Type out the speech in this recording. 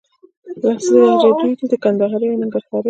اصلي لهجې دوې دي: کندهارۍ او ننګرهارۍ